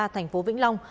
thành phố vĩnh long